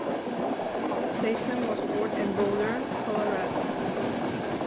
Tatum was born in Boulder, Colorado.